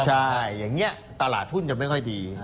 ใช่อย่างนี้ตลาดหุ้นจะไม่ค่อยดี